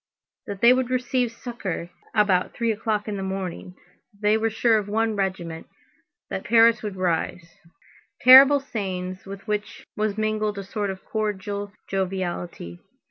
That they would receive succor about three o'clock in the morning—that they were sure of one regiment, that Paris would rise. Terrible sayings with which was mingled a sort of cordial joviality.